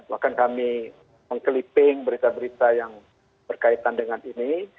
bahkan kami mengkeliping berita berita yang berkaitan dengan ini